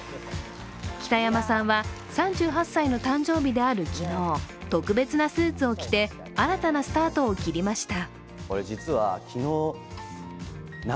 北山さんは３８歳の誕生日である昨日特別なスーツを着て、新たなスタートを切りました。